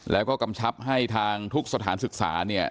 แล้วก็กำชับให้ทางทุกสถานศึกษาเนี่ย